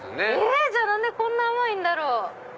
えっ⁉じゃあ何でこんな甘いんだろう？